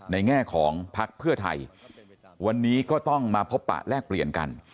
แง่ของพักเพื่อไทยวันนี้ก็ต้องมาพบปะแลกเปลี่ยนกัน